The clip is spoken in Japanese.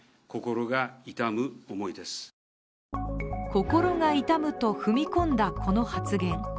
心が痛むと、踏み込んだこの発言。